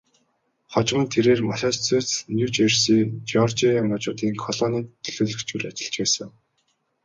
Хожим нь тэрээр Массачусетс, Нью Жерси, Жеоржия мужуудын колонийн төлөөлөгчөөр ажиллаж байсан.